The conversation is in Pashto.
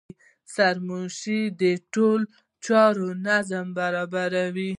سرمنشي د ټولو چارو نظم برابروي.